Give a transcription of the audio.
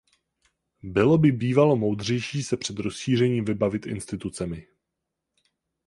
Bylo by bývalo moudřejší se před rozšířením vybavit institucemi.